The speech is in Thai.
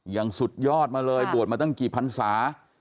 อย่างสุดยอดมาเลยบวชมาตั้งกี่พันศา